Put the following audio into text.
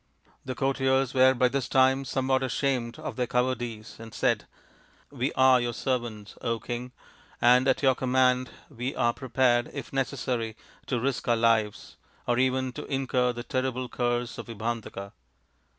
3 ' The courtiers were, by this time, somewhat ashamed of their cowardice and said, " We are your servants, King, and at your command we are prepared, if necessary, to risk our lives, or even to incur the terrible curse of Vibhandaka."